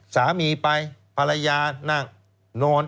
สามีไปภรรยานั่งนอน